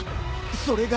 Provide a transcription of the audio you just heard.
それが。